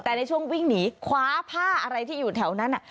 แต่ในช่วงวิ่งหนีคว้าผ้าอะไรที่อยู่แถวนั้น